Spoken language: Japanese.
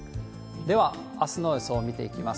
では、あすの予想を見ていきます。